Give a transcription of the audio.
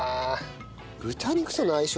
豚肉との相性